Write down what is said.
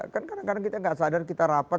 kan kadang kadang kita tidak sadar kita rapat